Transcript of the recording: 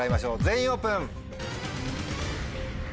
全員オープン！